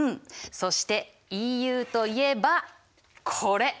そしてＥＵといえばこれ。